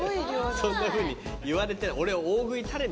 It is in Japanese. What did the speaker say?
そんなふうに言われて。